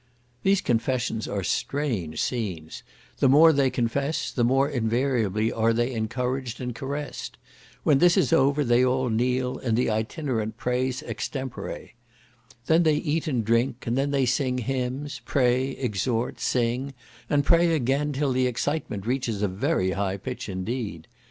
These confessions are strange scenes; the more they confess, the more invariably are they encouraged and caressed. When this is over, they all kneel, and the Itinerant prays extempore. They then eat and drink; and then they sing hymns, pray, exhort, sing, and pray again, till the excitement reaches a very high pitch indeed.